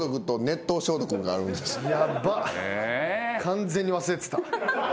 ヤバッ完全に忘れてた。